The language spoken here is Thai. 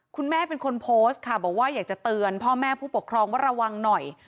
คุณแม่เป็นคนโพสต์ค่ะบอกว่าอยากจะเตือนพ่อแม่ผู้ปกครองว่าระวังหน่อย